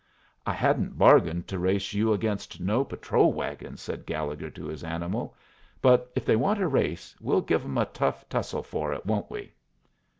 "I hadn't bargained to race you against no patrol wagons," said Gallegher to his animal; "but if they want a race, we'll give them a tough tussle for it, won't we?"